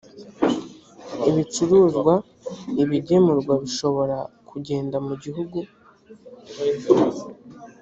ibicuruzwa ibigemurwa bishobora kugenda mugihugu